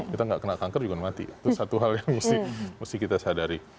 kita nggak kena kanker juga mati itu satu hal yang mesti kita sadari